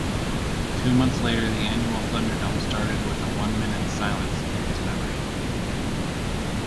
Two months later the annual Thunderdome started with a one-minute silence in his memory.